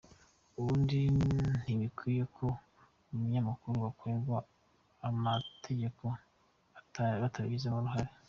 Ubundi ntibikwiye ko abanyamakuru bakorerwa amategeko batabigizemo uruhare.